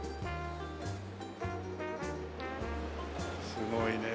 すごいね。